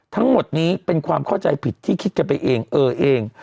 ทั้งหมดนี้เป็นความเข้าใจผิดที่คิดกันไปเองเออเอง